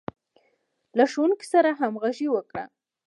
له ښوونکي سره همغږي وکړه.